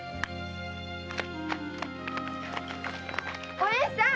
おえんさん！